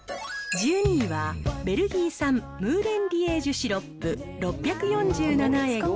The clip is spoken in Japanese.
１２位は、ベルギー産ムーレンリエージュシロップ６４７円。